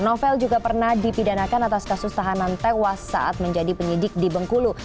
novel juga pernah dipidanakan atas kasus tahanan tewas saat menjadi penyidik di bengkulu